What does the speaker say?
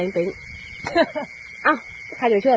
มันเจ็บกูเลยคือ